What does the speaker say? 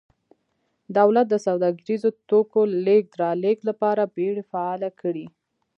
دولت د سوداګریزو توکو لېږد رالېږد لپاره بېړۍ فعالې کړې